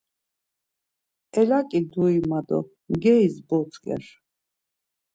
Elaǩidui ma do mgeris botzǩer.